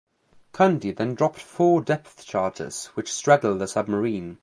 Cundy then dropped four depth charges which straddled the submarine.